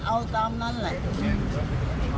เอาตามนั้นแหละ